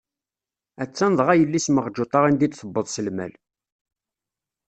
A-tt-an dɣa yelli-s Meɛǧuṭa anda i d-tewweḍ s lmal.